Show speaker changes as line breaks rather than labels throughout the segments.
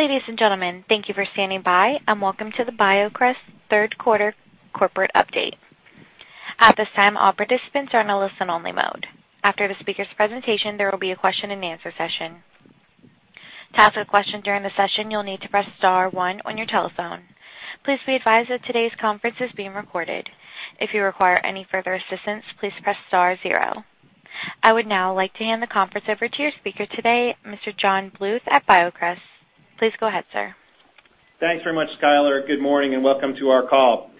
Ladies and gentlemen, thank you for standing by, and welcome to the BioCryst third quarter corporate update. At this time, all participants are in a listen-only mode. After the speaker's presentation, there will be a question and answer session. To ask a question during the session, you'll need to press star one on your telephone. Please be advised that today's conference is being recorded. If you require any further assistance, please press star zero. I would now like to hand the conference over to your speaker today, Mr. John Bluth at BioCryst. Please go ahead, sir.
Thanks very much, Skyler. Good morning and welcome to our call.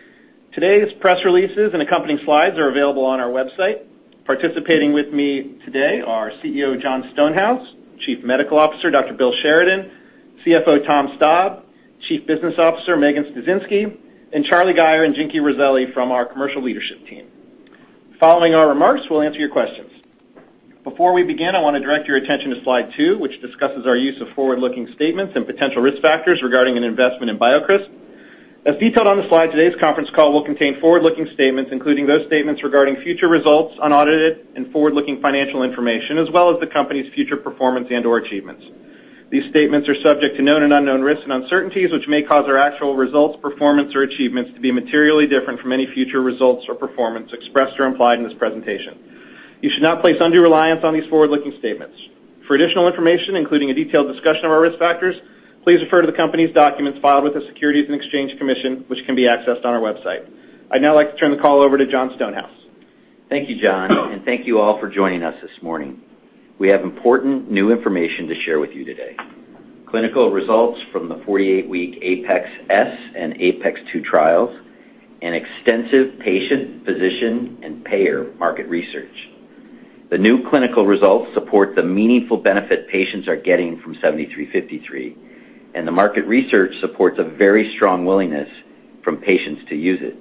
Today's press releases and accompanying slides are available on our website. Participating with me today are CEO, Jon Stonehouse, Chief Medical Officer, Dr. Bill Sheridan, CFO, Tom Staab, Chief Business Officer, Megan Sniecinski, and Charlie Gayer and Jinky Rosselli from our commercial leadership team. Following our remarks, we'll answer your questions. Before we begin, I want to direct your attention to slide two, which discusses our use of forward-looking statements and potential risk factors regarding an investment in BioCryst. As detailed on the slide, today's conference call will contain forward-looking statements, including those statements regarding future results, unaudited and forward-looking financial information, as well as the company's future performance and/or achievements. These statements are subject to known and unknown risks and uncertainties, which may cause our actual results, performance, or achievements to be materially different from any future results or performance expressed or implied in this presentation. You should not place undue reliance on these forward-looking statements. For additional information, including a detailed discussion of our risk factors, please refer to the company's documents filed with the Securities and Exchange Commission, which can be accessed on our website. I'd now like to turn the call over to Jon Stonehouse.
Thank you, John, and thank you all for joining us this morning. We have important new information to share with you today. Clinical results from the 48-week APeX-S and APeX-2 trials, and extensive patient, physician, and payer market research. The new clinical results support the meaningful benefit patients are getting from 7353, and the market research supports a very strong willingness from patients to use it.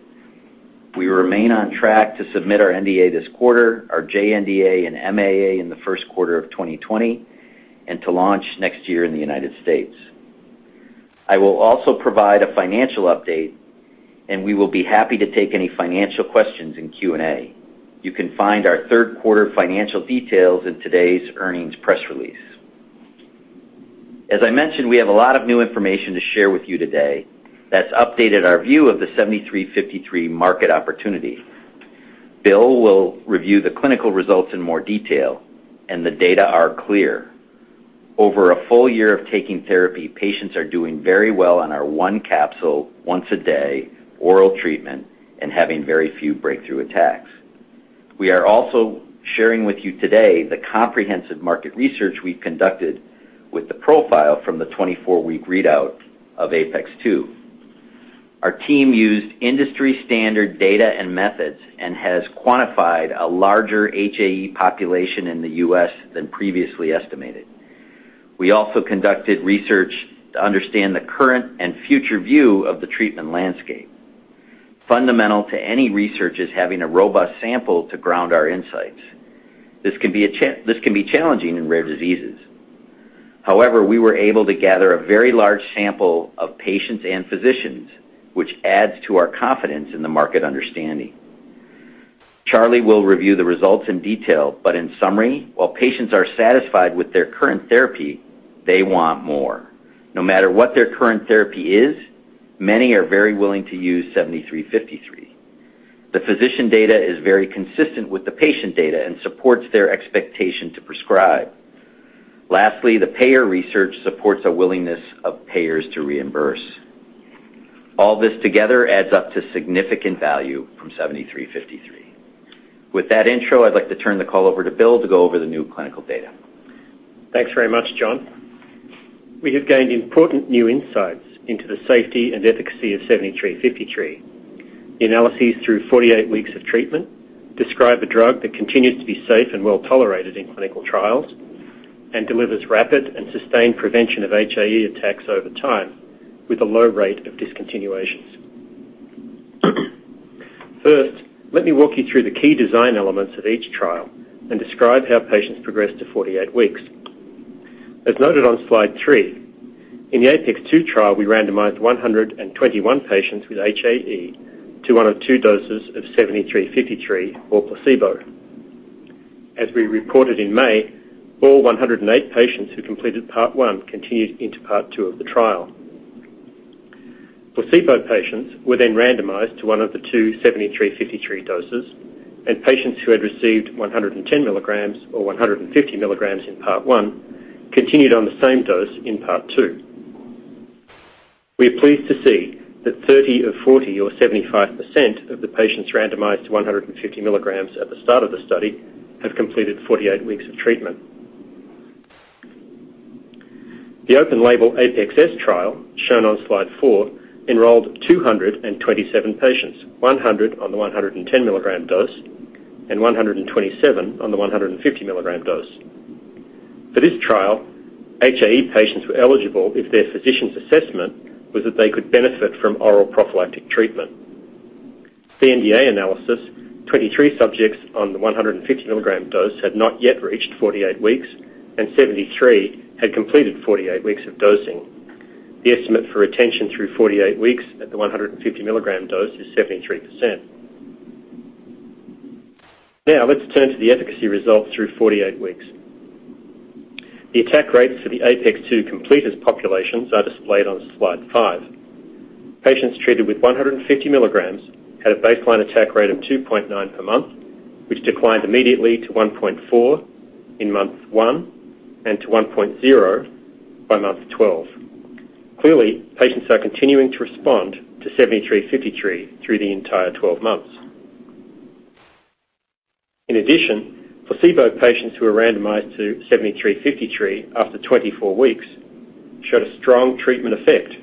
We remain on track to submit our NDA this quarter, our JNDA and MAA in the first quarter of 2020, and to launch next year in the United States. I will also provide a financial update, and we will be happy to take any financial questions in Q&A. You can find our third quarter financial details in today's earnings press release. As I mentioned, we have a lot of new information to share with you today that's updated our view of the 7353 market opportunity. Bill will review the clinical results in more detail. The data are clear. Over a full year of taking therapy, patients are doing very well on our one capsule, once a day oral treatment and having very few breakthrough attacks. We are also sharing with you today the comprehensive market research we've conducted with the profile from the 24-week readout of APeX-2. Our team used industry-standard data and methods and has quantified a larger HAE population in the U.S. than previously estimated. We also conducted research to understand the current and future view of the treatment landscape. Fundamental to any research is having a robust sample to ground our insights. This can be challenging in rare diseases. However, we were able to gather a very large sample of patients and physicians, which adds to our confidence in the market understanding. Charlie will review the results in detail, but in summary, while patients are satisfied with their current therapy, they want more. No matter what their current therapy is, many are very willing to use 7353. The physician data is very consistent with the patient data and supports their expectation to prescribe. Lastly, the payer research supports a willingness of payers to reimburse. All this together adds up to significant value from 7353. With that intro, I'd like to turn the call over to Bill to go over the new clinical data.
Thanks very much, Jon. We have gained important new insights into the safety and efficacy of 7353. The analyses through 48 weeks of treatment describe a drug that continues to be safe and well-tolerated in clinical trials and delivers rapid and sustained prevention of HAE attacks over time with a low rate of discontinuations. First, let me walk you through the key design elements of each trial and describe how patients progressed to 48 weeks. As noted on slide three, in the APeX-2 trial, we randomized 121 patients with HAE to one of two doses of 7353 or placebo. As we reported in May, all 108 patients who completed part one continued into part two of the trial. Placebo patients were randomized to one of the two 7353 doses, and patients who had received 110 mg or 150 mg in part one continued on the same dose in part two. We are pleased to see that 30 of 40 or 75% of the patients randomized to 150 mg at the start of the study have completed 48 weeks of treatment. The open-label APeX-S trial, shown on slide four, enrolled 227 patients, 100 on the 110 mg dose and 127 on the 150 mg dose. For this trial, HAE patients were eligible if their physician's assessment was that they could benefit from oral prophylactic treatment. At the NDA analysis, 23 subjects on the 150 mg dose had not yet reached 48 weeks, and 73 had completed 48 weeks of dosing. The estimate for retention through 48 weeks at the 150-milligram dose is 73%. Now let's turn to the efficacy results through 48 weeks. The attack rates for the APeX-2 completers populations are displayed on slide five. Patients treated with 150 milligrams had a baseline attack rate of 2.9 per month, which declined immediately to 1.4 in month one and to 1.0 by month 12. Clearly, patients are continuing to respond to 7353 through the entire 12 months. In addition, placebo patients who were randomized to 7353 after 24 weeks showed a strong treatment effect,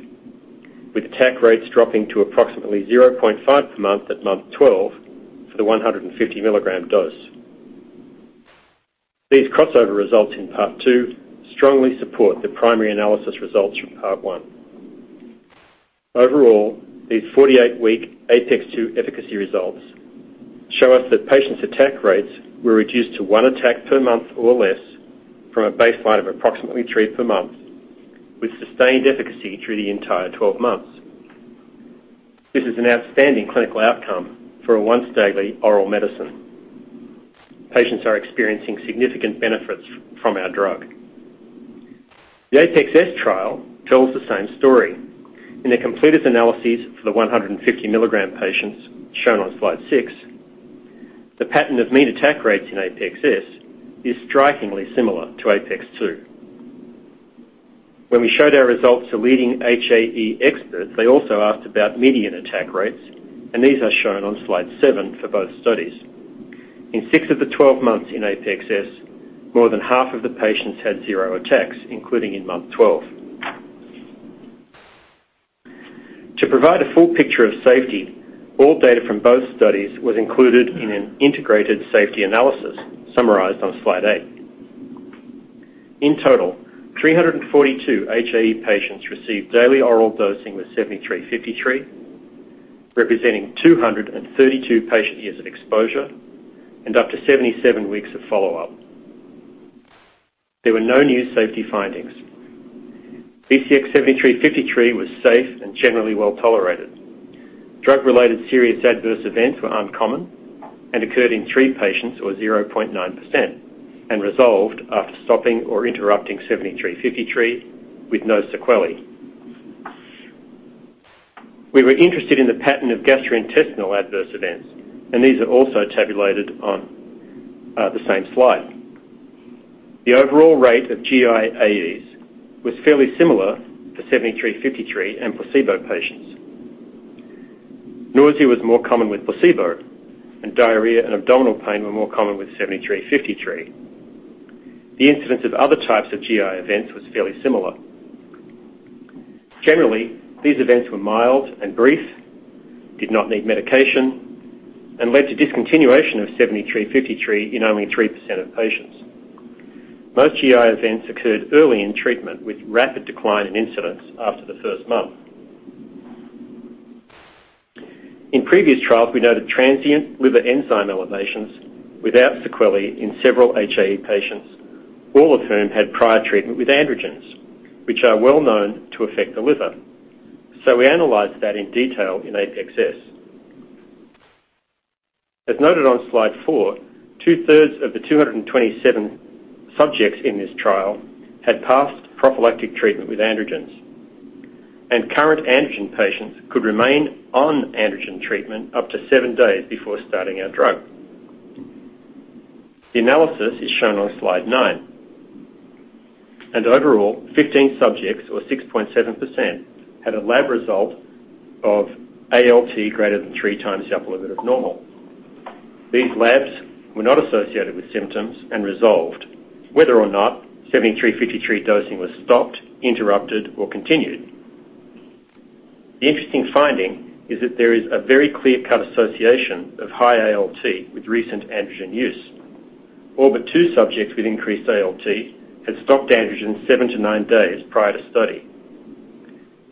with attack rates dropping to approximately 0.5 per month at month 12 for the 150-milligram dose. These crossover results in part two strongly support the primary analysis results from part one. Overall, these 48-week APeX-2 efficacy results show us that patients' attack rates were reduced to one attack per month or less from a baseline of approximately three per month, with sustained efficacy through the entire 12 months. This is an outstanding clinical outcome for a once-daily oral medicine. Patients are experiencing significant benefits from our drug. The APeX-S trial tells the same story. In the completers analyses for the 150-milligram patients shown on slide six, the pattern of mean attack rates in APeX-S is strikingly similar to APeX-2. When we showed our results to leading HAE experts, they also asked about median attack rates, and these are shown on slide seven for both studies. In six of the 12 months in APeX-S, more than half of the patients had zero attacks, including in month 12. To provide a full picture of safety, all data from both studies was included in an integrated safety analysis summarized on slide eight. In total, 342 HAE patients received daily oral dosing with 7353, representing 232 patient years of exposure and up to 77 weeks of follow-up. There were no new safety findings. BCX7353 was safe and generally well-tolerated. Drug-related serious adverse events were uncommon and occurred in three patients or 0.9% and resolved after stopping or interrupting 7353 with no sequelae. We were interested in the pattern of gastrointestinal adverse events. These are also tabulated on the same slide. The overall rate of GI AEs was fairly similar for 7353 and placebo patients. Nausea was more common with placebo. Diarrhea and abdominal pain were more common with 7353. The incidence of other types of GI events was fairly similar. Generally, these events were mild and brief, did not need medication, and led to discontinuation of 7353 in only 3% of patients. Most GI AEs occurred early in treatment with rapid decline in incidents after the first month. In previous trials, we noted transient liver enzyme elevations without sequelae in several HAE patients, all of whom had prior treatment with androgens, which are well-known to affect the liver. We analyzed that in detail in APeX-S. As noted on slide four, two-thirds of the 227 subjects in this trial had past prophylactic treatment with androgens, and current androgen patients could remain on androgen treatment up to seven days before starting our drug. The analysis is shown on slide nine, and overall, 15 subjects or 6.7% had a lab result of ALT greater than three times the upper limit of normal. These labs were not associated with symptoms and resolved whether or not 7353 dosing was stopped, interrupted, or continued. The interesting finding is that there is a very clear-cut association of high ALT with recent androgen use. All but two subjects with increased ALT had stopped androgen seven to nine days prior to study.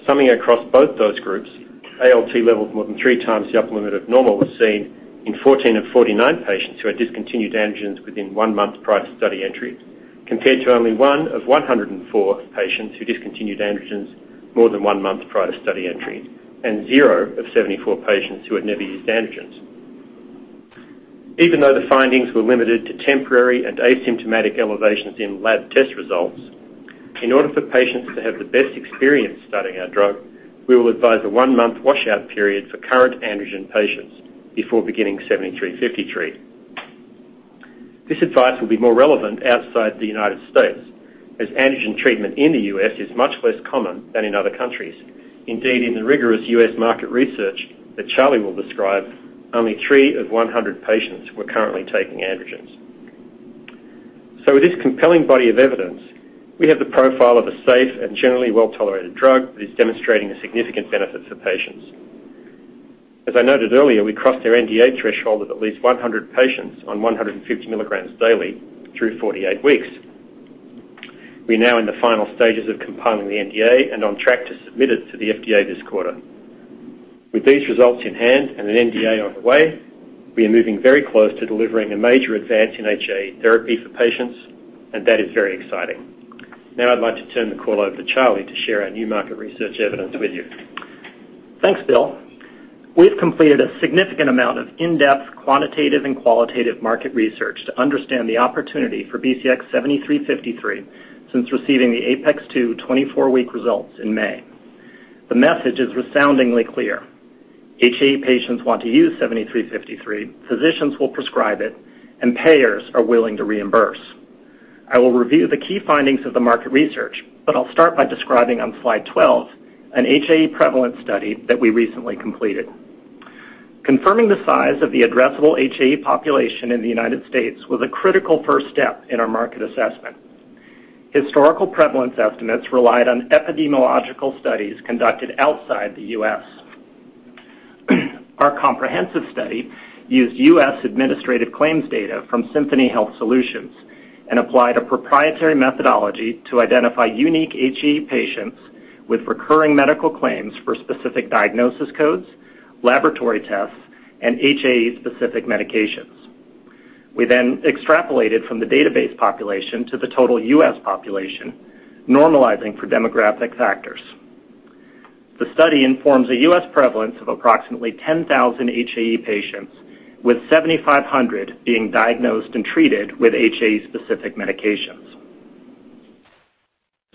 Summing across both those groups, ALT levels more than three times the upper limit of normal was seen in 14 of 49 patients who had discontinued androgens within one month prior to study entry, compared to only one of 104 patients who discontinued androgens more than one month prior to study entry and zero of 74 patients who had never used androgens. Even though the findings were limited to temporary and asymptomatic elevations in lab test results, in order for patients to have the best experience starting our drug, we will advise a one-month washout period for current androgen patients before beginning 7353. This advice will be more relevant outside the U.S., as androgen treatment in the U.S. is much less common than in other countries. Indeed, in the rigorous U.S. market research that Charlie will describe, only three of 100 patients were currently taking androgens. With this compelling body of evidence, we have the profile of a safe and generally well-tolerated drug that is demonstrating a significant benefit for patients. As I noted earlier, we crossed our NDA threshold of at least 100 patients on 150 milligrams daily through 48 weeks. We're now in the final stages of compiling the NDA and on track to submit it to the FDA this quarter. With these results in hand and an NDA on the way, we are moving very close to delivering a major advance in HAE therapy for patients, and that is very exciting. Now I'd like to turn the call over to Charlie to share our new market research evidence with you.
Thanks, Bill. We've completed a significant amount of in-depth quantitative and qualitative market research to understand the opportunity for BCX7353 since receiving the APeX-2 24-week results in May. The message is resoundingly clear. HAE patients want to use 7353, physicians will prescribe it, and payers are willing to reimburse. I will review the key findings of the market research, but I'll start by describing on slide 12, an HAE prevalence study that we recently completed. Confirming the size of the addressable HAE population in the United States was a critical first step in our market assessment. Historical prevalence estimates relied on epidemiological studies conducted outside the U.S. Our comprehensive study used U.S. administrative claims data from Symphony Health Solutions and applied a proprietary methodology to identify unique HAE patients with recurring medical claims for specific diagnosis codes, laboratory tests, and HAE-specific medications. We extrapolated from the database population to the total U.S. population, normalizing for demographic factors. The study informs a U.S. prevalence of approximately 10,000 HAE patients, with 7,500 being diagnosed and treated with HAE-specific medications.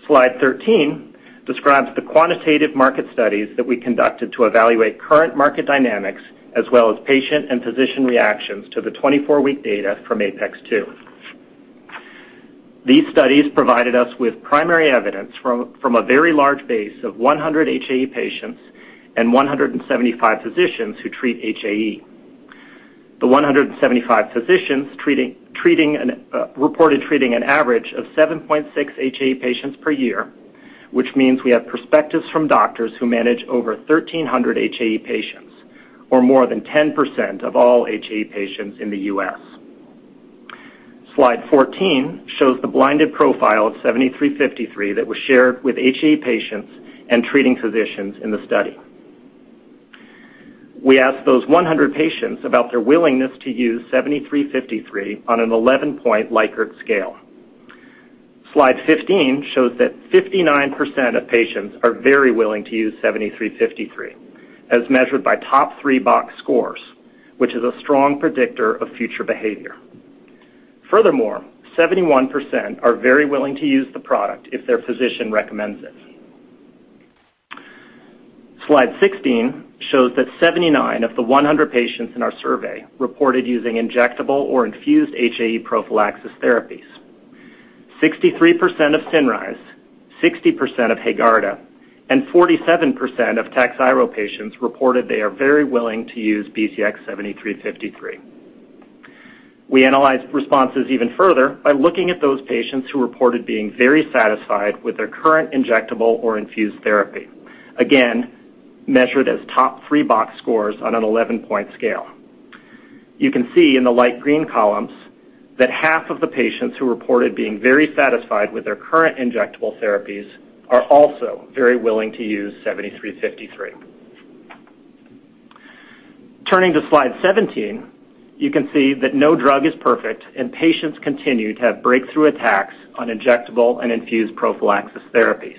Slide 13 describes the quantitative market studies that we conducted to evaluate current market dynamics as well as patient and physician reactions to the 24-week data from APeX-2. These studies provided us with primary evidence from a very large base of 100 HAE patients and 175 physicians who treat HAE. The 175 physicians reported treating an average of 7.6 HAE patients per year, which means we have perspectives from doctors who manage over 1,300 HAE patients or more than 10% of all HAE patients in the U.S. Slide 14 shows the blinded profile of 7353 that was shared with HAE patients and treating physicians in the study. We asked those 100 patients about their willingness to use 7353 on an 11-point Likert scale. Slide 15 shows that 59% of patients are very willing to use 7353, as measured by top three box scores, which is a strong predictor of future behavior. Furthermore, 71% are very willing to use the product if their physician recommends it. Slide 16 shows that 79 of the 100 patients in our survey reported using injectable or infused HAE prophylaxis therapies. 63% of Cinryze, 60% of Haegarda, and 47% of Takhzyro patients reported they are very willing to use BCX7353. We analyzed responses even further by looking at those patients who reported being very satisfied with their current injectable or infused therapy. Again, measured as top three box scores on an 11-point scale. You can see in the light green columns that half of the patients who reported being very satisfied with their current injectable therapies are also very willing to use 7353. Turning to slide 17, you can see that no drug is perfect and patients continue to have breakthrough attacks on injectable and infused prophylaxis therapies.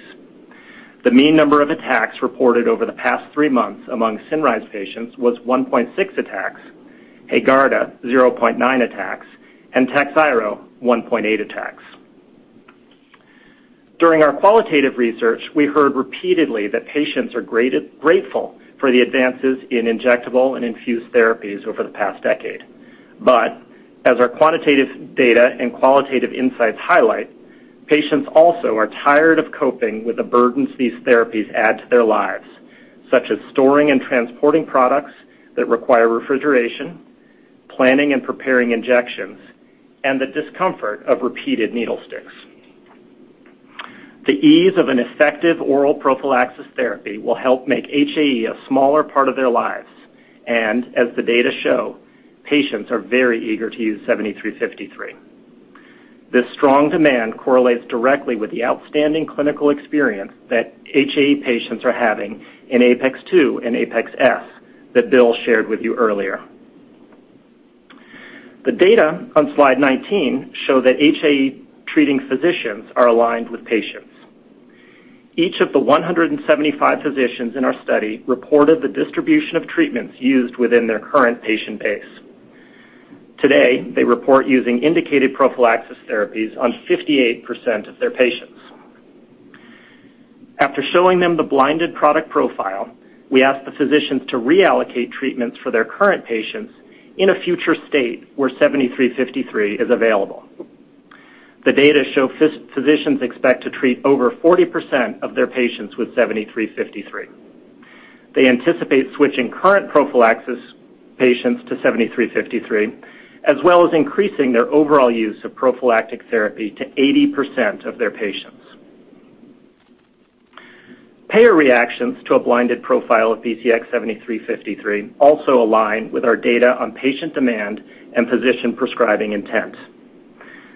The mean number of attacks reported over the past three months among Haegarda patients was 1.6 attacks, Haegarda 0.9 attacks, and Takhzyro 1.8 attacks. During our qualitative research, we heard repeatedly that patients are grateful for the advances in injectable and infused therapies over the past decade. As our quantitative data and qualitative insights highlight, patients also are tired of coping with the burdens these therapies add to their lives, such as storing and transporting products that require refrigeration, planning and preparing injections, and the discomfort of repeated needle sticks. The ease of an effective oral prophylaxis therapy will help make HAE a smaller part of their lives. As the data show, patients are very eager to use 7353. This strong demand correlates directly with the outstanding clinical experience that HAE patients are having in APeX-2 and APeX-S that Bill shared with you earlier. The data on slide 19 show that HAE-treating physicians are aligned with patients. Each of the 175 physicians in our study reported the distribution of treatments used within their current patient base. Today, they report using indicated prophylaxis therapies on 58% of their patients. After showing them the blinded product profile, we asked the physicians to reallocate treatments for their current patients in a future state where 7353 is available. The data show physicians expect to treat over 40% of their patients with 7353. They anticipate switching current prophylaxis patients to 7353, as well as increasing their overall use of prophylactic therapy to 80% of their patients. Payer reactions to a blinded profile of BCX7353 also align with our data on patient demand and physician prescribing intent.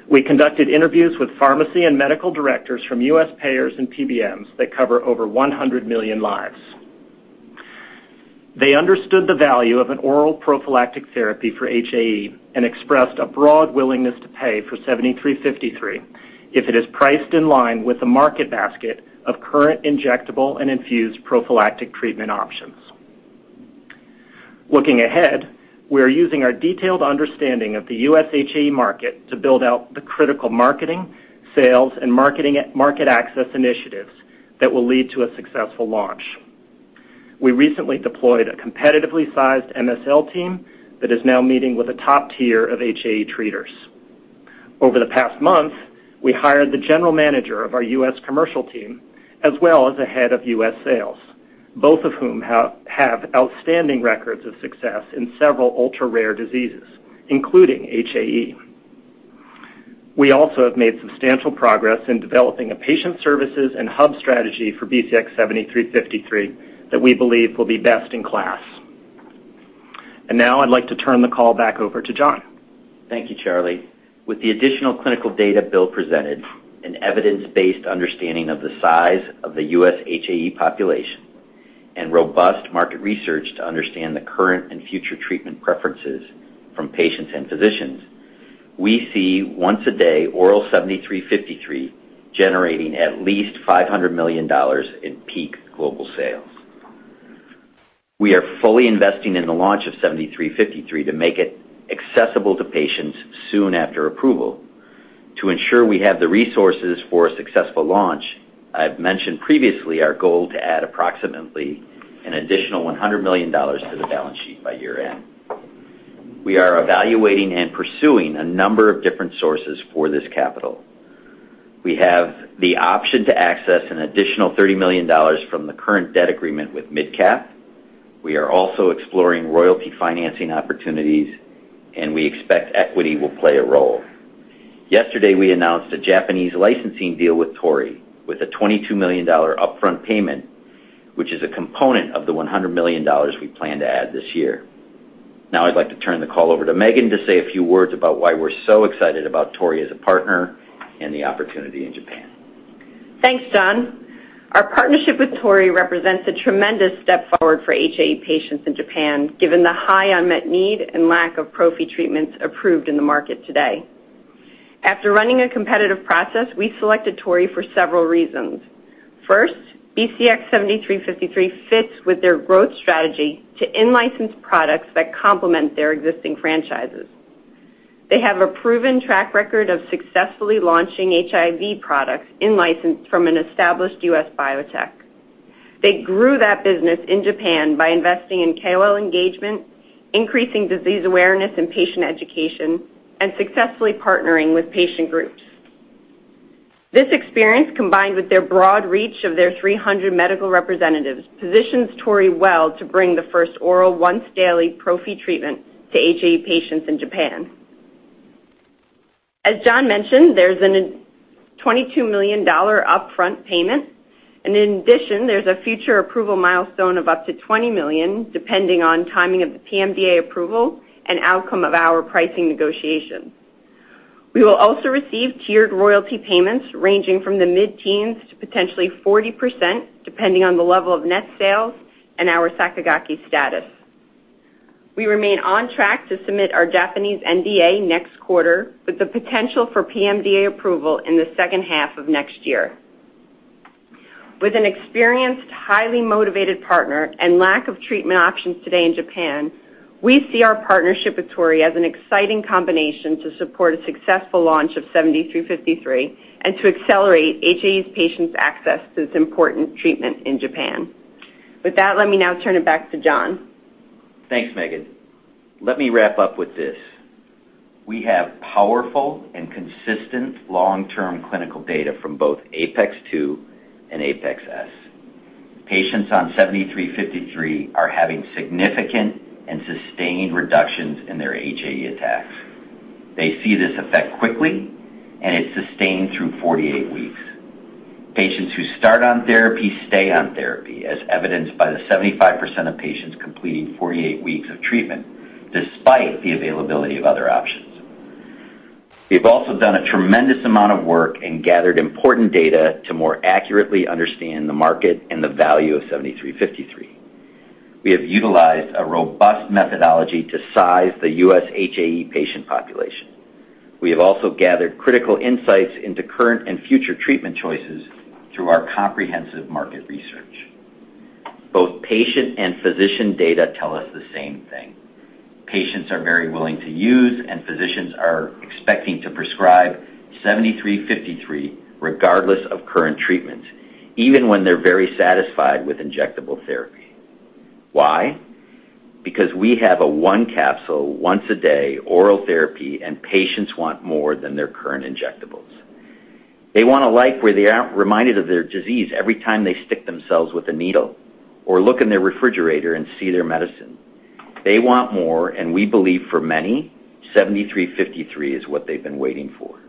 We conducted interviews with pharmacy and medical directors from U.S. payers and PBMs that cover over 100 million lives. They understood the value of an oral prophylactic therapy for HAE and expressed a broad willingness to pay for 7353 if it is priced in line with the market basket of current injectable and infused prophylactic treatment options. Looking ahead, we are using our detailed understanding of the U.S. HAE market to build out the critical marketing, sales, and market access initiatives that will lead to a successful launch. We recently deployed a competitively sized MSL team that is now meeting with a top tier of HAE treaters. Over the past month, we hired the general manager of our U.S. commercial team, as well as the head of U.S. sales, both of whom have outstanding records of success in several ultra-rare diseases, including HAE. We also have made substantial progress in developing a patient services and hub strategy for BCX7353 that we believe will be best in class. Now I'd like to turn the call back over to Jon.
Thank you, Charlie. With the additional clinical data Bill presented, an evidence-based understanding of the size of the U.S. HAE population, and robust market research to understand the current and future treatment preferences from patients and physicians, we see once-a-day oral 7353 generating at least $500 million in peak global sales. We are fully investing in the launch of 7353 to make it accessible to patients soon after approval. To ensure we have the resources for a successful launch, I've mentioned previously our goal to add approximately an additional $100 million to the balance sheet by year-end. We are evaluating and pursuing a number of different sources for this capital. We have the option to access an additional $30 million from the current debt agreement with MidCap. We are also exploring royalty financing opportunities, and we expect equity will play a role. Yesterday, we announced a Japanese licensing deal with Torii, with a $22 million upfront payment, which is a component of the $100 million we plan to add this year. Now I'd like to turn the call over to Megan to say a few words about why we're so excited about Torii as a partner and the opportunity in Japan.
Thanks, Jon. Our partnership with Torii represents a tremendous step forward for HAE patients in Japan, given the high unmet need and lack of prophy treatments approved in the market today. After running a competitive process, we selected Torii for several reasons. First, BCX7353 fits with their growth strategy to in-license products that complement their existing franchises. They have a proven track record of successfully launching HIV products in-licensed from an established U.S. biotech. They grew that business in Japan by investing in KOL engagement, increasing disease awareness and patient education, and successfully partnering with patient groups. This experience, combined with their broad reach of their 300 medical representatives, positions Torii well to bring the first oral once-daily prophy treatment to HAE patients in Japan. As Jon mentioned, there's a $22 million upfront payment, and in addition, there's a future approval milestone of up to $20 million, depending on timing of the PMDA approval and outcome of our pricing negotiation. We will also receive tiered royalty payments ranging from the mid-teens to potentially 40%, depending on the level of net sales and our Sakigake status. We remain on track to submit our Japanese NDA next quarter, with the potential for PMDA approval in the second half of next year. With an experienced, highly motivated partner and lack of treatment options today in Japan, we see our partnership with Torii as an exciting combination to support a successful launch of 7353 and to accelerate HAE patients' access to this important treatment in Japan. With that, let me now turn it back to Jon.
Thanks, Megan. Let me wrap up with this. We have powerful and consistent long-term clinical data from both APeX-2 and APeX-S. Patients on 7353 are having significant and sustained reductions in their HAE attacks. They see this effect quickly, and it's sustained through 48 weeks. Patients who start on therapy stay on therapy, as evidenced by the 75% of patients completing 48 weeks of treatment, despite the availability of other options. We've also done a tremendous amount of work and gathered important data to more accurately understand the market and the value of 7353. We have utilized a robust methodology to size the U.S. HAE patient population. We have also gathered critical insights into current and future treatment choices through our comprehensive market research. Both patient and physician data tell us the same thing. Patients are very willing to use, and physicians are expecting to prescribe 7353 regardless of current treatment, even when they're very satisfied with injectable therapy. Why? Because we have a one capsule once a day oral therapy and patients want more than their current injectables. They want a life where they aren't reminded of their disease every time they stick themselves with a needle or look in their refrigerator and see their medicine. They want more, and we believe for many, 7353 is what they've been waiting for.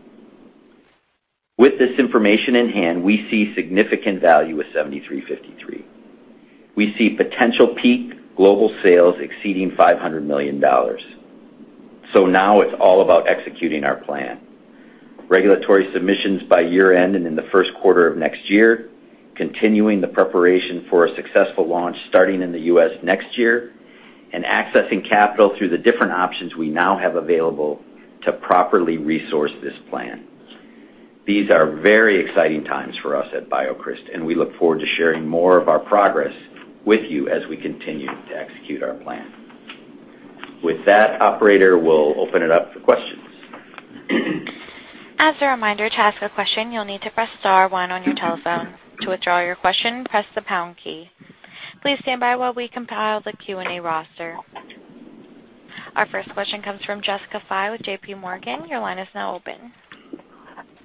With this information in hand, we see significant value with 7353. We see potential peak global sales exceeding $500 million. Now it's all about executing our plan. Regulatory submissions by year-end and in the first quarter of next year, continuing the preparation for a successful launch starting in the U.S. next year, and accessing capital through the different options we now have available to properly resource this plan. These are very exciting times for us at BioCryst, and we look forward to sharing more of our progress with you as we continue to execute our plan. With that, operator, we'll open it up for questions.
As a reminder, to ask a question, you'll need to press star one on your telephone. To withdraw your question, press the pound key. Please stand by while we compile the Q&A roster. Our first question comes from Jessica Fye with J.P. Morgan. Your line is now open.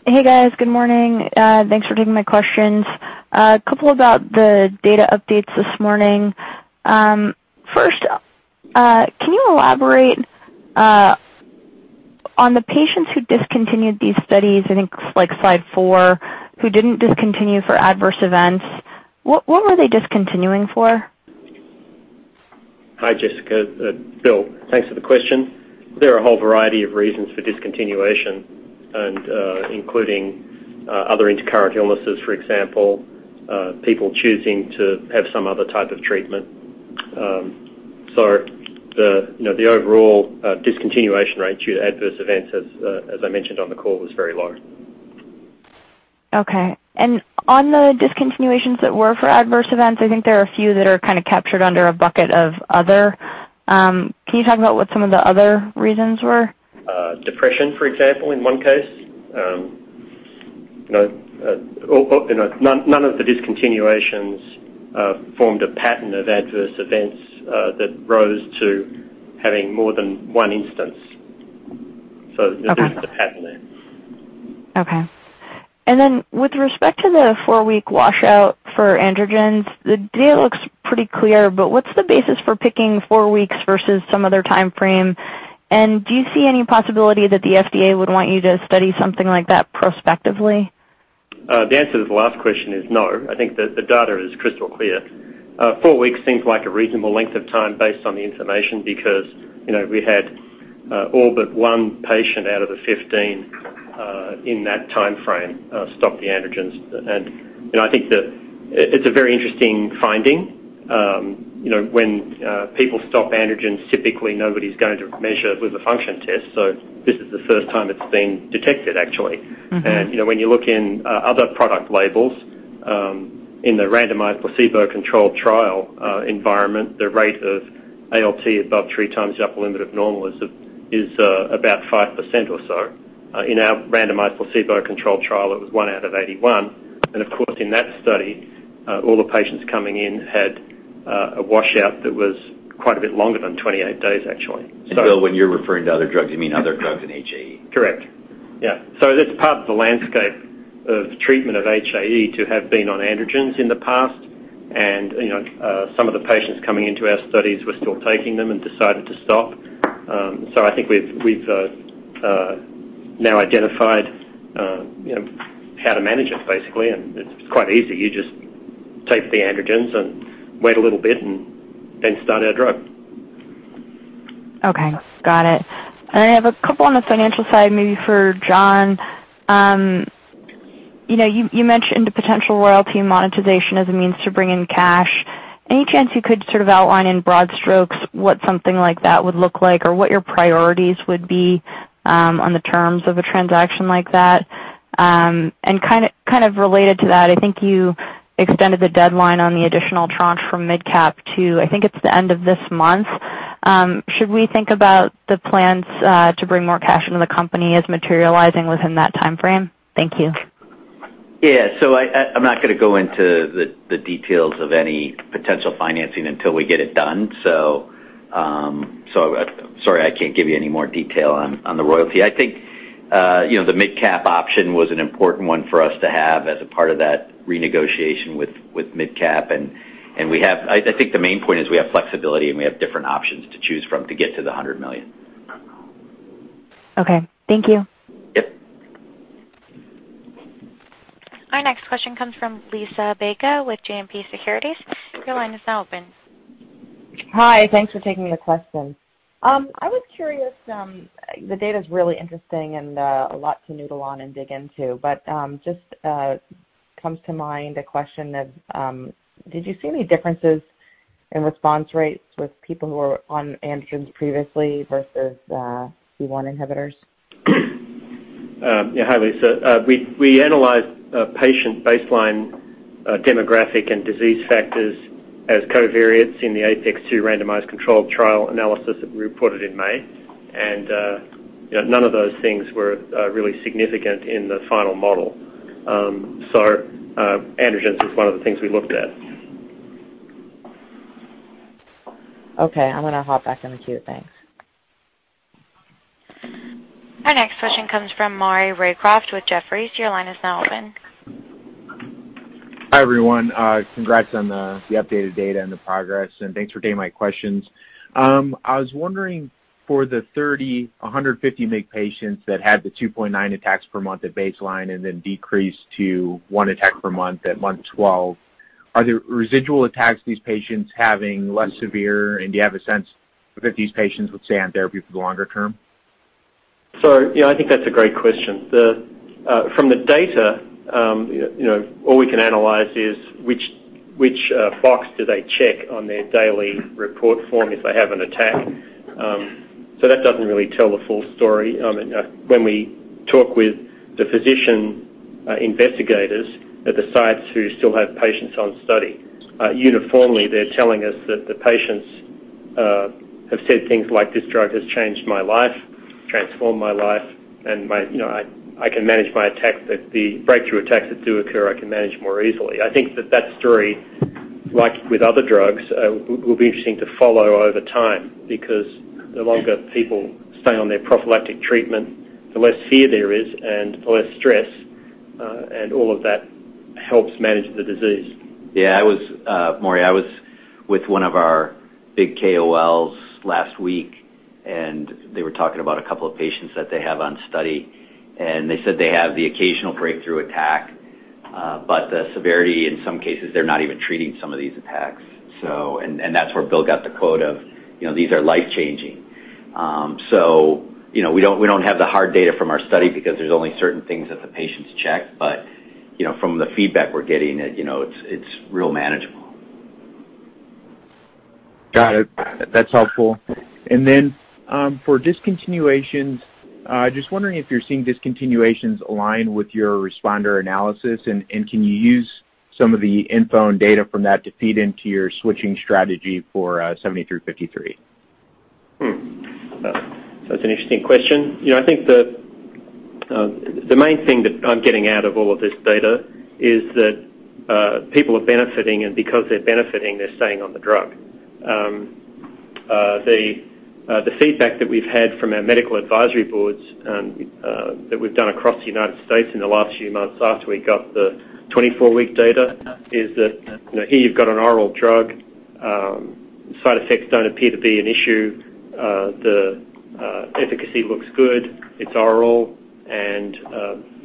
Hey, guys. Good morning. Thanks for taking my questions. A couple about the data updates this morning. First, can you elaborate on the patients who discontinued these studies, I think slide four, who didn't discontinue for adverse events. What were they discontinuing for?
Hi, Jessica. Bill. Thanks for the question. There are a whole variety of reasons for discontinuation, and including other intercurrent illnesses, for example, people choosing to have some other type of treatment. The overall discontinuation rate due to adverse events, as I mentioned on the call, was very low.
On the discontinuations that were for adverse events, I think there are a few that are kind of captured under a bucket of other. Can you talk about what some of the other reasons were?
Depression, for example, in one case. None of the discontinuations formed a pattern of adverse events that rose to having more than one instance. There was no pattern there.
Okay. With respect to the four-week washout for androgens, the data looks pretty clear, but what's the basis for picking four weeks versus some other timeframe? Do you see any possibility that the FDA would want you to study something like that prospectively?
The answer to the last question is no. I think that the data is crystal clear. Four weeks seems like a reasonable length of time based on the information, because we had all but one patient out of the 15 in that timeframe stop the androgens. I think that it's a very interesting finding. When people stop androgens, typically nobody's going to measure with a function test. This is the first time it's been detected, actually. When you look in other product labels, in the randomized placebo-controlled trial environment, the rate of ALT above three times the upper limit of normal is about 5% or so. In our randomized placebo-controlled trial, it was one out of 81. Of course, in that study, all the patients coming in had a washout that was quite a bit longer than 28 days, actually.
Bill, when you're referring to other drugs, you mean other drugs than HAE?
Correct. That's part of the landscape of treatment of HAE, to have been on androgens in the past. Some of the patients coming into our studies were still taking them and decided to stop. I think we've now identified how to manage it, basically. It's quite easy. You just taper the androgens and wait a little bit and then start our drug.
Okay. Got it. I have a couple on the financial side, maybe for Jon. You mentioned the potential royalty monetization as a means to bring in cash. Any chance you could sort of outline in broad strokes what something like that would look like or what your priorities would be on the terms of a transaction like that? Kind of related to that, I think you extended the deadline on the additional tranche from MidCap to, I think it's the end of this month. Should we think about the plans to bring more cash into the company as materializing within that timeframe? Thank you.
Yeah. I'm not going to go into the details of any potential financing until we get it done. Sorry, I can't give you any more detail on the royalty. I think the MidCap option was an important one for us to have as a part of that renegotiation with MidCap. I think the main point is we have flexibility, and we have different options to choose from to get to the $100 million.
Okay. Thank you.
Yep.
Our next question comes from Liisa Bayko with JMP Securities. Your line is now open.
Hi. Thanks for taking the question. I was curious. The data's really interesting and a lot to noodle on and dig into, but just comes to mind a question of, did you see any differences in response rates with people who were on androgens previously versus C1 inhibitors?
Yeah. Hi, Liisa. We analyzed patient baseline demographic and disease factors as covariates in the APeX-2 randomized controlled trial analysis that we reported in May. None of those things were really significant in the final model. Androgens is one of the things we looked at.
Okay. I'm going to hop back in the queue. Thanks.
Our next question comes from Maury Raycroft with Jefferies. Your line is now open.
Hi, everyone. Congrats on the updated data and the progress, and thanks for taking my questions. I was wondering for the 150 mg patients that had the 2.9 attacks per month at baseline and then decreased to one attack per month at month 12. Are the residual attacks these patients having less severe? Do you have a sense that these patients would stay on therapy for the longer term?
I think that's a great question. From the data, all we can analyze is which box do they check on their daily report form if they have an attack. So that doesn't really tell the full story. When we talk with the physician investigators at the sites who still have patients on study, uniformly, they're telling us that the patients have said things like, "This drug has changed my life, transformed my life, and I can manage my attack, that the breakthrough attacks that do occur, I can manage more easily." I think that story, like with other drugs, will be interesting to follow over time, because the longer people stay on their prophylactic treatment, the less fear there is and the less stress, and all of that helps manage the disease.
Yeah, Maury, I was with one of our big KOLs last week, and they were talking about a couple of patients that they have on study, and they said they have the occasional breakthrough attack. The severity, in some cases, they're not even treating some of these attacks. That's where Bill got the quote of, "These are life-changing." We don't have the hard data from our study because there's only certain things that the patients check. From the feedback we're getting, it's real manageable.
Got it. That's helpful. For discontinuations, just wondering if you're seeing discontinuations align with your responder analysis, and can you use some of the info and data from that to feed into your switching strategy for 7353?
It's an interesting question. I think the main thing that I'm getting out of all of this data is that people are benefiting, and because they're benefiting, they're staying on the drug. The feedback that we've had from our medical advisory boards that we've done across the United States in the last few months after we got the 24-week data is that, here you've got an oral drug. Side effects don't appear to be an issue. The efficacy looks good, it's oral, and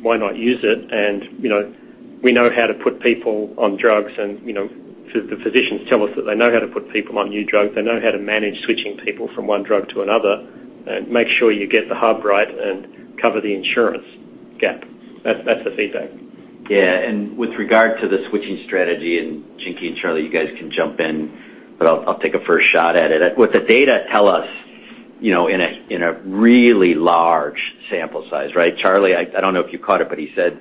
why not use it? We know how to put people on drugs, and the physicians tell us that they know how to put people on new drugs. They know how to manage switching people from one drug to another and make sure you get the hub right and cover the insurance gap. That's the feedback.
Yeah. With regard to the switching strategy, Jinky and Charlie, you guys can jump in, but I'll take a first shot at it. What the data tell us, in a really large sample size, right? Charlie, I don't know if you caught it, but he said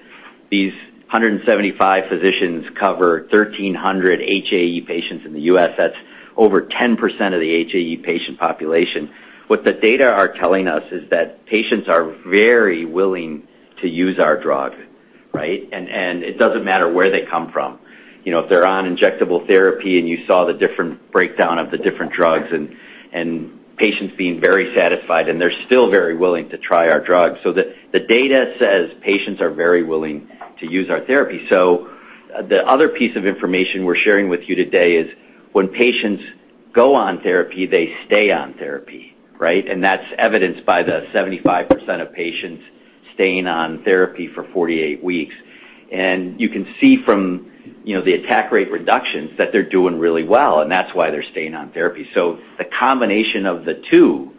these 175 physicians cover 1,300 HAE patients in the U.S. That's over 10% of the HAE patient population. What the data are telling us is that patients are very willing to use our drug, right? It doesn't matter where they come from. If they're on injectable therapy and you saw the different breakdown of the different drugs and patients being very satisfied, and they're still very willing to try our drugs. The data says patients are very willing to use our therapy. The other piece of information we're sharing with you today is when patients go on therapy, they stay on therapy, right? That's evidenced by the 75% of patients staying on therapy for 48 weeks. You can see from the attack rate reductions that they're doing really well, and that's why they're staying on therapy. The combination of the two,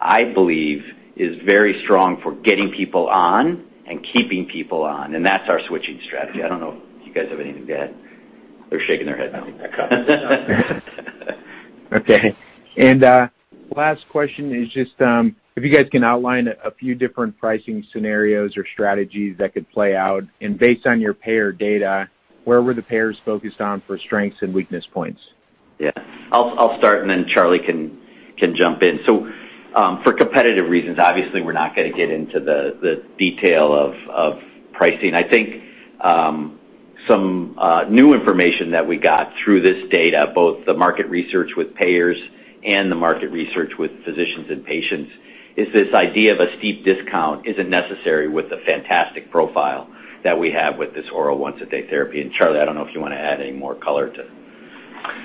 I believe, is very strong for getting people on and keeping people on, and that's our switching strategy. I don't know if you guys have anything to add. They're shaking their heads no.
I think that covers it.
Okay. Last question is just if you guys can outline a few different pricing scenarios or strategies that could play out. Based on your payer data, where were the payers focused on for strengths and weakness points?
Yeah. I'll start and then Charlie can jump in. For competitive reasons, obviously, we're not going to get into the detail of pricing. I think some new information that we got through this data, both the market research with payers and the market research with physicians and patients, is this idea of a steep discount isn't necessary with the fantastic profile that we have with this oral once-a-day therapy. Charlie, I don't know if you want to add any more color to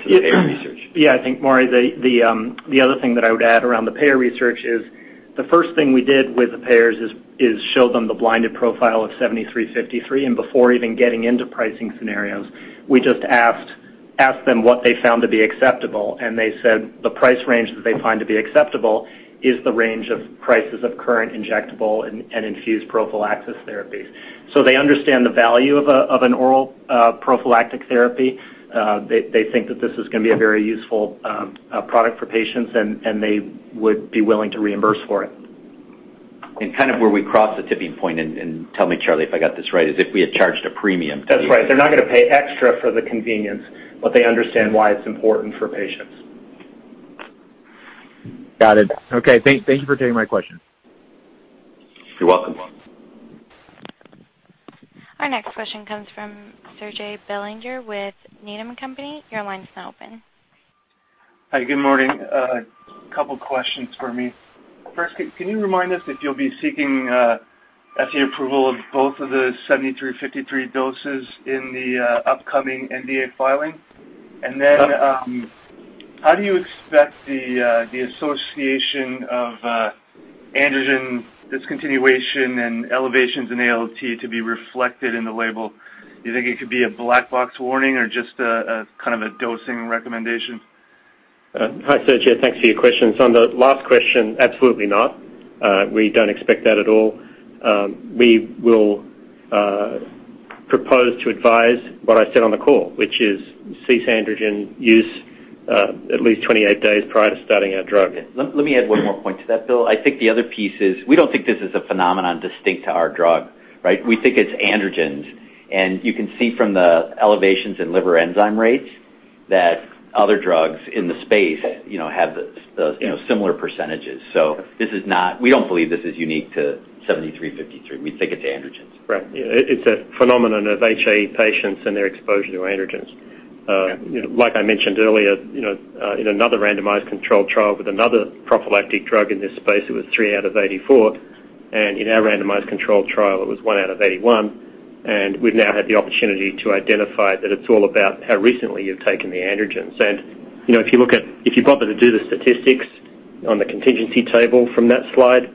the payer research.
Yeah. I think, Maury, the other thing that I would add around the payer research is the first thing we did with the payers is show them the blinded profile of 7353. Before even getting into pricing scenarios, we just asked them what they found to be acceptable, and they said the price range that they find to be acceptable is the range of prices of current injectable and infused prophylaxis therapies. They understand the value of an oral prophylactic therapy. They think that this is going to be a very useful product for patients, and they would be willing to reimburse for it.
Kind of where we cross the tipping point, and tell me, Charlie, if I got this right, is if we had charged a premium.
That's right. They're not going to pay extra for the convenience, but they understand why it's important for patients.
Got it. Okay. Thank you for taking my question.
You're welcome.
Our next question comes from Serge Belanger with Needham & Company. Your line is now open.
Hi. Good morning. A couple of questions for me. First, can you remind us if you'll be seeking FDA approval of both of the 7353 doses in the upcoming NDA filing? How do you expect the association of androgen discontinuation and elevations in ALT to be reflected in the label? Do you think it could be a black box warning or just a kind of a dosing recommendation?
Hi, Serge. Thanks for your questions. On the last question, absolutely not. We don't expect that at all. We will propose to advise what I said on the call, which is cease androgen use at least 28 days prior to starting our drug.
Let me add one more point to that, Bill. I think the other piece is, we don't think this is a phenomenon distinct to our drug. Right? We think it's androgens. You can see from the elevations in liver enzyme rates that other drugs in the space have similar %. We don't believe this is unique to 7353. We think it's androgens.
Right. It's a phenomenon of HAE patients and their exposure to androgens.
Yeah.
Like I mentioned earlier, in another randomized controlled trial with another prophylactic drug in this space, it was three out of 84. In our randomized control trial, it was one out of 81. We've now had the opportunity to identify that it's all about how recently you've taken the androgens. If you bother to do the statistics on the contingency table from that slide,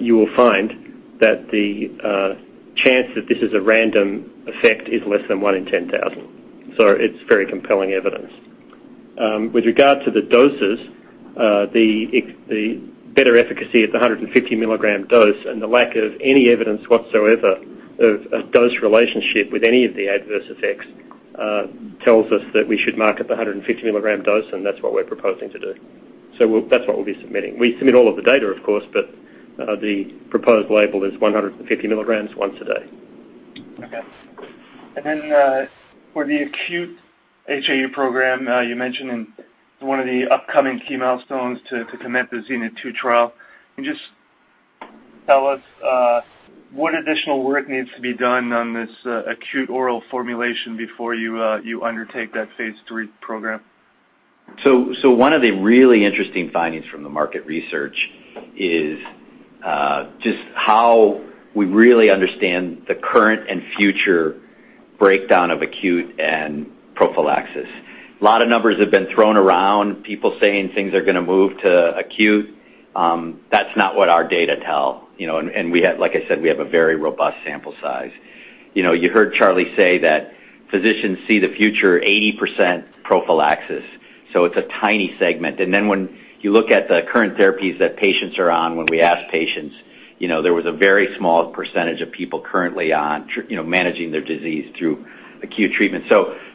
you will find that the chance that this is a random effect is less than one in 10,000. It's very compelling evidence. With regard to the doses, the better efficacy at the 150 milligram dose and the lack of any evidence whatsoever of a dose relationship with any of the adverse effects, tells us that we should market the 150 milligram dose, and that's what we're proposing to do. That's what we'll be submitting. We submit all of the data, of course, but the proposed label is 150 milligrams once a day.
Okay. For the acute HAE program, you mentioned in one of the upcoming key milestones to commit the ZENITH-2 trial. Can you just tell us what additional work needs to be done on this acute oral formulation before you undertake that phase III program?
One of the really interesting findings from the market research is just how we really understand the current and future breakdown of acute and prophylaxis. A lot of numbers have been thrown around, people saying things are going to move to acute. That's not what our data tell. Like I said, we have a very robust sample size. You heard Charlie say that physicians see the future 80% prophylaxis, so it's a tiny segment. When you look at the current therapies that patients are on, when we ask patients, there was a very small percentage of people currently managing their disease through acute treatment.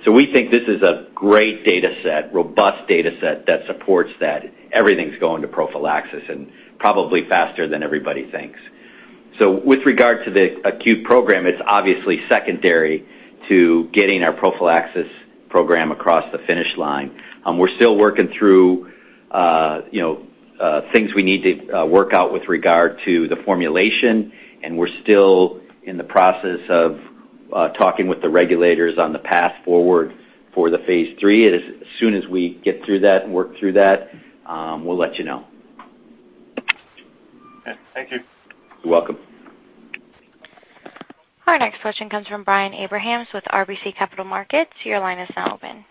We think this is a great data set, robust data set that supports that everything's going to prophylaxis and probably faster than everybody thinks. With regard to the acute program, it's obviously secondary to getting our prophylaxis program across the finish line. We're still working through things we need to work out with regard to the formulation, and we're still in the process of talking with the regulators on the path forward for the phase III. As soon as we get through that and work through that, we'll let you know.
Okay. Thank you.
You're welcome.
Our next question comes from Brian Abrahams with RBC Capital Markets. Your line is now open.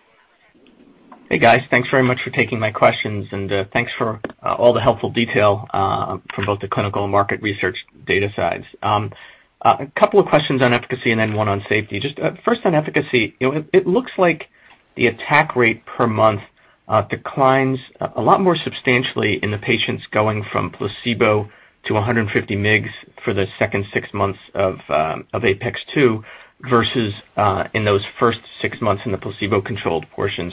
Hey, guys. Thanks very much for taking my questions, and thanks for all the helpful detail from both the clinical and market research data sides. A couple of questions on efficacy and then one on safety. Just first on efficacy, it looks like the attack rate per month declines a lot more substantially in the patients going from placebo to 150 mg for the second six months of APeX-2, versus in those first six months in the placebo-controlled portion.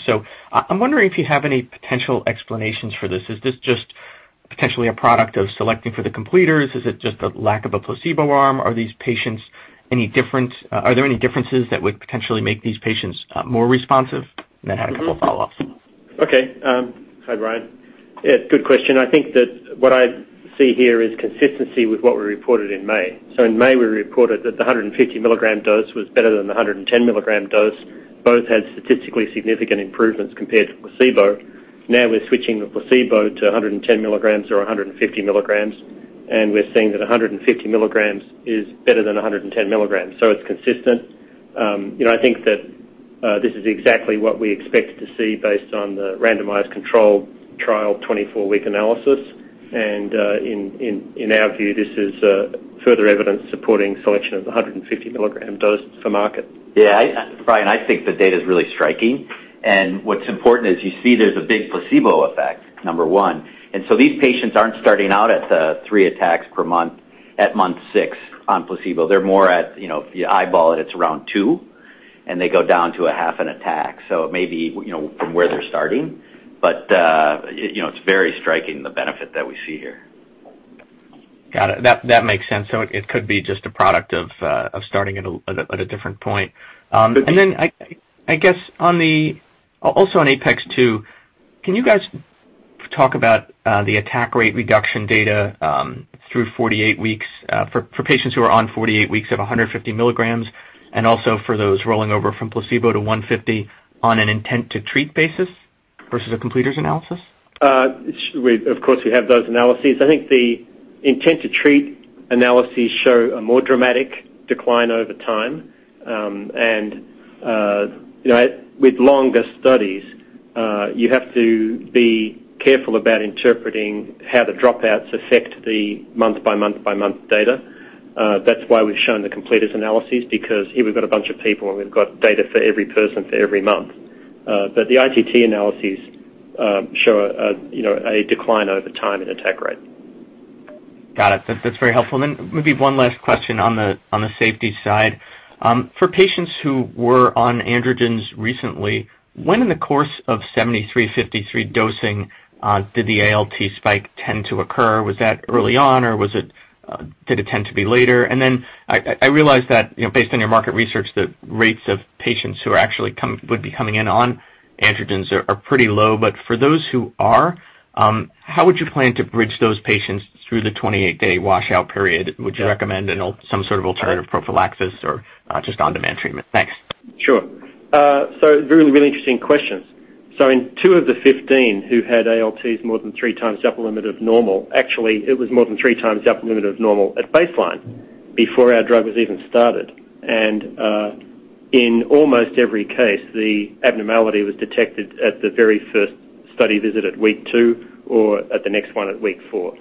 I'm wondering if you have any potential explanations for this. Is this just potentially a product of selecting for the completers? Is it just the lack of a placebo arm? Are these patients any different? Are there any differences that would potentially make these patients more responsive? I have a couple follow-ups.
Okay. Hi, Brian. Yeah, good question. I think that what I see here is consistency with what we reported in May. In May, we reported that the 150 milligram dose was better than the 110 milligram dose. Both had statistically significant improvements compared to placebo. We're switching the placebo to 110 milligrams or 150 milligrams, and we're seeing that 150 milligrams is better than 110 milligrams. It's consistent. I think that this is exactly what we expected to see based on the randomized control trial 24-week analysis. In our view, this is further evidence supporting selection of the 150 milligram dose for market.
Yeah. Brian, I think the data's really striking. What's important is you see there's a big placebo effect, number one. These patients aren't starting out at the three attacks per month at month six on placebo. They're more at, if you eyeball it's around two, and they go down to a half an attack. It's very striking, the benefit that we see here.
Got it. That makes sense. It could be just a product of starting at a different point. I guess, also on APeX-2, can you guys talk about the attack rate reduction data through 48 weeks for patients who are on 48 weeks of 150 milligrams, and also for those rolling over from placebo to 150 on an intent-to-treat basis versus a completers analysis?
Of course, we have those analyses. I think the ITT analyses show a more dramatic decline over time. With longer studies, you have to be careful about interpreting how the dropouts affect the month by month data. That's why we've shown the completers analyses, because here we've got a bunch of people, and we've got data for every person for every month. The ITT analyses show a decline over time in attack rate.
Got it. That's very helpful. Maybe one last question on the safety side. For patients who were on androgens recently, when in the course of 7353 dosing did the ALT spike tend to occur? Was that early on, or did it tend to be later? I realize that based on your market research, the rates of patients who would be coming in on androgens are pretty low, but for those who are, how would you plan to bridge those patients through the 28-day washout period? Would you recommend some sort of alternative prophylaxis or just on-demand treatment? Thanks.
Sure. Really interesting questions. In two of the 15 who had ALTs more than three times the upper limit of normal, actually, it was more than three times the upper limit of normal at baseline before our drug was even started. In almost every case, the abnormality was detected at the very first study visit at week two or at the next one at week four.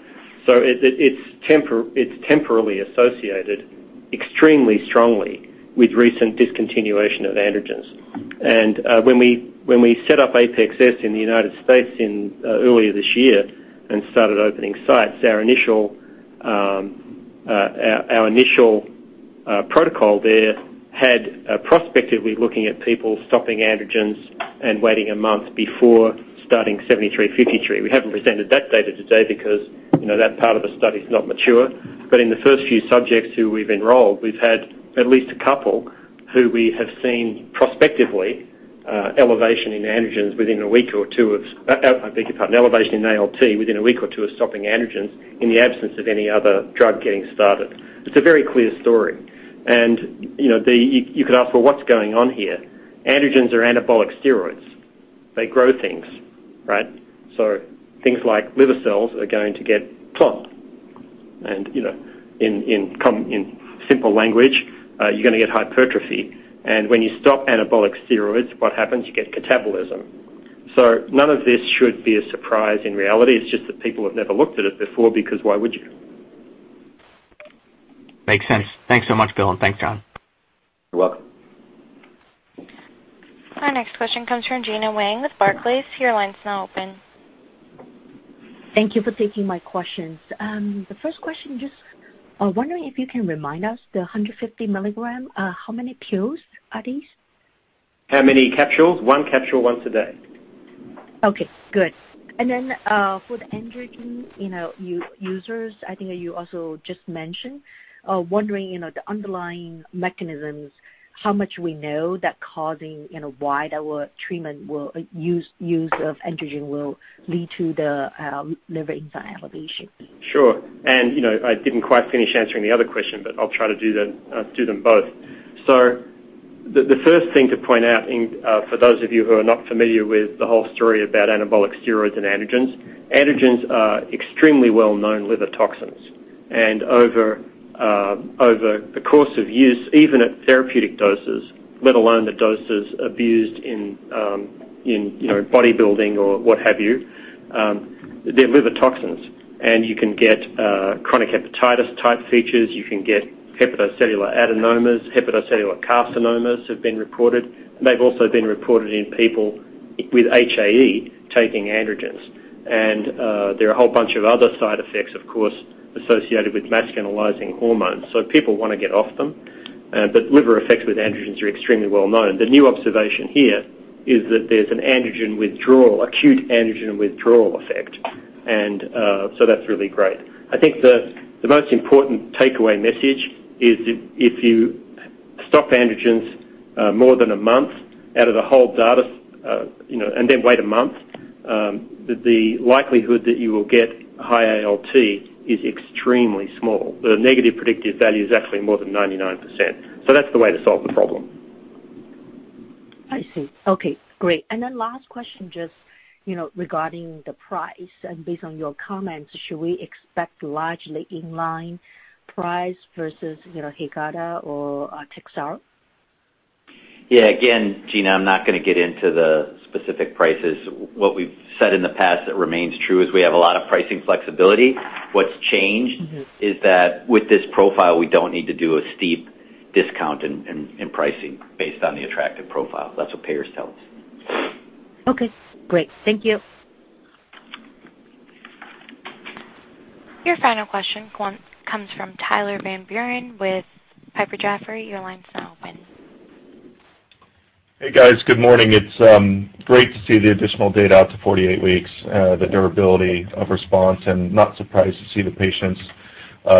It's temporally associated extremely strongly with recent discontinuation of androgens. When we set up APeX-S in the U.S. earlier this year and started opening sites, our initial protocol there had prospectively looking at people stopping androgens and waiting a month before starting 7353. We haven't presented that data today because that part of the study is not mature. In the first few subjects who we've enrolled, we've had at least a couple who we have seen prospectively elevation in androgens within a week or two of I beg your pardon, elevation in ALT within a week or two of stopping androgens in the absence of any other drug getting started. It's a very clear story. You could ask, "Well, what's going on here?" Androgens are anabolic steroids. They grow things, right? Things like liver cells are going to get plump. In simple language, you're going to get hypertrophy. When you stop anabolic steroids, what happens? You get catabolism. None of this should be a surprise in reality. It's just that people have never looked at it before, because why would you?
Makes sense. Thanks so much, Bill, and thanks, Jon.
You're welcome.
Our next question comes from Gena Wang with Barclays. Your line's now open.
Thank you for taking my questions. The first question, just wondering if you can remind us the 150 milligram, how many pills are these?
How many capsules? One capsule once a day.
Okay, good. For the androgen users, I think you also just mentioned, wondering the underlying mechanisms, how much we know that causing why the use of androgen will lead to the liver enzyme elevation?
Sure. I didn't quite finish answering the other question, I'll try to do them both. The first thing to point out for those of you who are not familiar with the whole story about anabolic steroids and androgens are extremely well-known liver toxins. Over the course of years, even at therapeutic doses, let alone the doses abused in bodybuilding or what have you, they're liver toxins, and you can get chronic hepatitis-type features. You can get hepatocellular adenomas, hepatocellular carcinomas have been reported, and they've also been reported in people with HAE taking androgens. There are a whole bunch of other side effects, of course, associated with masculinizing hormones. People want to get off them, liver effects with androgens are extremely well-known. The new observation here is that there's an acute androgen withdrawal effect, that's really great. I think the most important takeaway message is if you stop androgens more than a month out of the whole data and then wait a month, the likelihood that you will get high ALT is extremely small. The negative predictive value is actually more than 99%. That's the way to solve the problem.
I see. Okay, great. Last question, just regarding the price and based on your comments, should we expect largely in line price versus Haegarda or Takhzyro?
Yeah, again, Gena, I'm not going to get into the specific prices. What we've said in the past that remains true is we have a lot of pricing flexibility. What's changed is that with this profile, we don't need to do a steep discount in pricing based on the attractive profile. That's what payers tell us.
Okay, great. Thank you.
Your final question comes from Tyler Van Buren with Piper Jaffray. Your line's now open.
Hey, guys. Good morning. It's great to see the additional data out to 48 weeks, the durability of response and not surprised to see the patients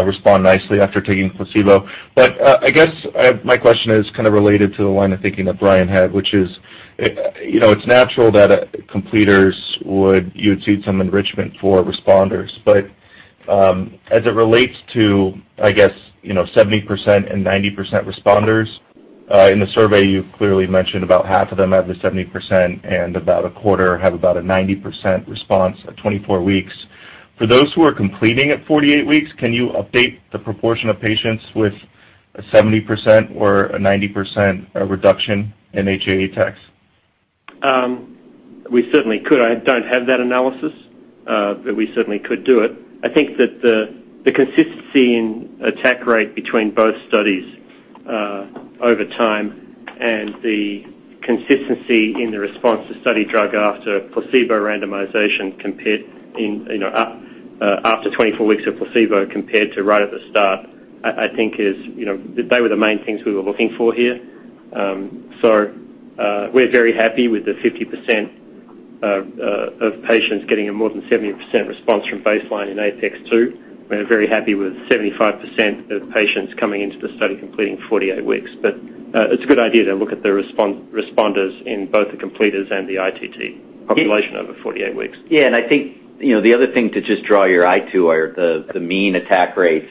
respond nicely after taking placebo. I guess my question is kind of related to the line of thinking that Brian had, which is, it's natural that you would see some enrichment for responders. As it relates to, I guess, 70% and 90% responders in the survey, you clearly mentioned about half of them have the 70% and about a quarter have about a 90% response at 24 weeks. For those who are completing at 48 weeks, can you update the proportion of patients with a 70% or a 90% reduction in HAE attacks?
We certainly could. I don't have that analysis, but we certainly could do it. I think that the consistency in attack rate between both studies over time and the consistency in the response to study drug after placebo randomization compared after 24 weeks of placebo compared to right at the start, I think they were the main things we were looking for here. We're very happy with the 50% of patients getting a more than 70% response from baseline in APeX-2. We're very happy with 75% of patients coming into the study completing 48 weeks. It's a good idea to look at the responders in both the completers and the ITT population over 48 weeks.
Yeah, I think the other thing to just draw your eye to are the mean attack rates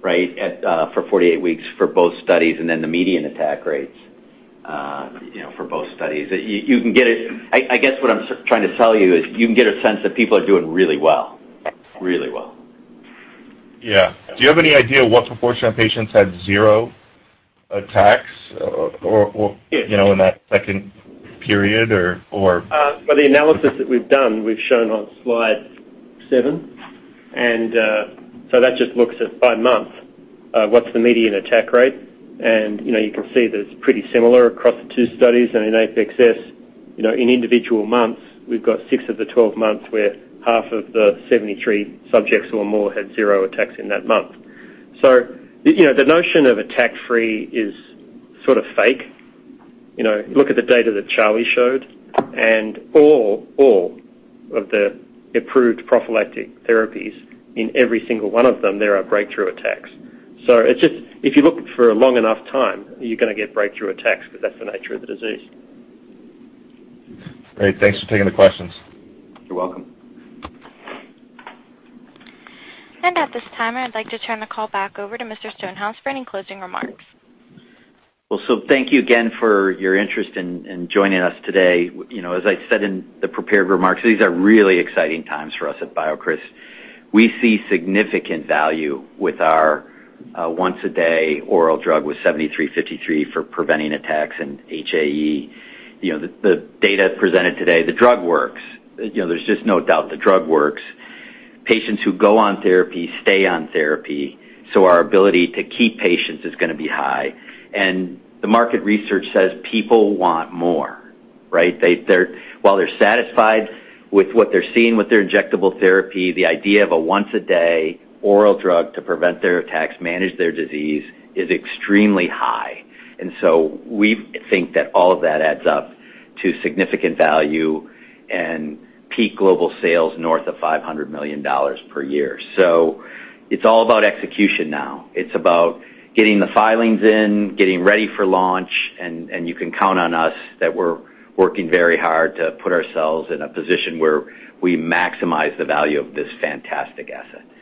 for 48 weeks for both studies, and then the median attack rates for both studies. I guess what I'm trying to tell you is you can get a sense that people are doing really well.
Yeah. Do you have any idea what proportion of patients had zero attacks or in that second period or?
For the analysis that we've done, we've shown on slide seven. That just looks at by month, what's the median attack rate, and you can see that it's pretty similar across the two studies. In APeX-S, in individual months, we've got six of the 12 months where half of the 73 subjects or more had zero attacks in that month. The notion of attack-free is sort of fake. Look at the data that Charlie showed and all of the approved prophylactic therapies. In every single one of them, there are breakthrough attacks. If you look for a long enough time, you're going to get breakthrough attacks because that's the nature of the disease.
Great. Thanks for taking the questions.
You're welcome.
At this time, I'd like to turn the call back over to Mr. Stonehouse for any closing remarks.
Thank you again for your interest in joining us today. As I said in the prepared remarks, these are really exciting times for us at BioCryst. We see significant value with our once-a-day oral drug with 7353 for preventing attacks and HAE. The data presented today, the drug works. There's just no doubt the drug works. Patients who go on therapy stay on therapy, so our ability to keep patients is going to be high. The market research says people want more. While they're satisfied with what they're seeing with their injectable therapy, the idea of a once-a-day oral drug to prevent their attacks, manage their disease is extremely high. We think that all of that adds up to significant value and peak global sales north of $500 million per year. It's all about execution now. It's about getting the filings in, getting ready for launch, and you can count on us that we're working very hard to put ourselves in a position where we maximize the value of this fantastic asset.